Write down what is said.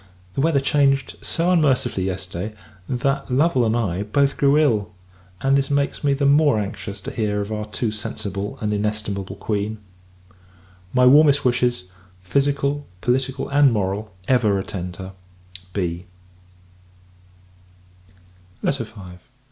The weather changed so unmercifully, yesterday, that Lovel and I both grew ill; and this makes me the more anxious to hear of our too sensible and inestimable Queen. My warmest wishes physical, political, and moral ever attend her. B.